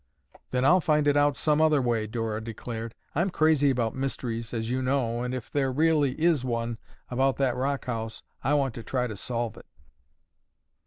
"Then I'll find it out some other way," Dora declared. "I'm crazy about mysteries as you know, and, if there really is one about that rock house, I want to try to solve it."